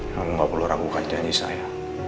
kamu gak perlu ragukan janji saya